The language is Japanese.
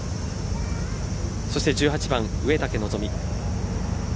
そして１８番、植竹希望。